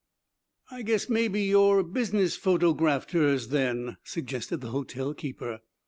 "I guess maybe you're business photografters, then?" suggested the hotel keeper.